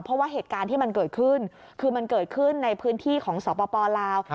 เพราะว่าเหตุการณ์ที่มันเกิดขึ้นคือมันเกิดขึ้นในพื้นที่ของสปลาว